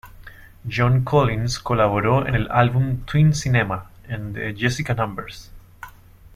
John Collins colaboró en el álbum "Twin Cinema" en "The Jessica Numbers".